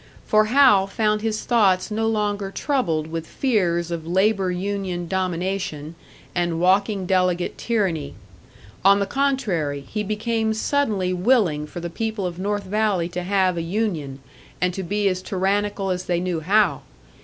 For Hal found his thoughts no longer troubled with fears of labour union domination and walking delegate tyranny; on the contrary, he became suddenly willing for the people of North Valley to have a union, and to be as tyrannical as they knew how!